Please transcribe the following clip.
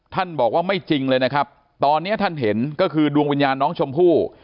บอกว่าไม่จริงเลยนะครับตอนนี้ท่านเห็นก็คือดวงวิญญาณน้องชมพู่